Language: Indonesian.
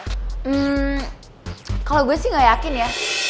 hmm kalau gue sih gak yakin ya